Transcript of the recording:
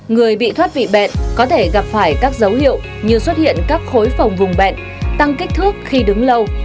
người bị thoát vị bệnh có thể gặp phải các dấu hiệu như xuất hiện các khối phòng vùng bệnh tăng kích thước khi đứng lâu